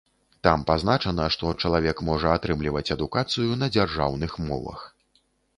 Там пазначана, што чалавек можа атрымліваць адукацыю на дзяржаўных мовах.